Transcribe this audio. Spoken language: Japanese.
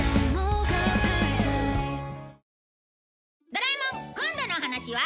『ドラえもん』今度のお話は